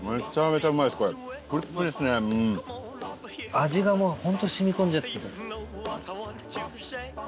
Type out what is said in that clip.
味がもう本当染み込んじゃってる。